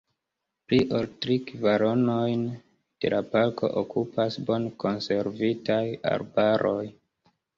Pli ol tri kvaronojn de la parko okupas bone konservitaj arbaroj.